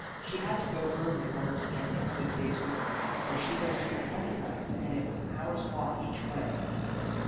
She had to go early in order to get in a good day's work, for she was to come home at night, and it was an hour's walk each way.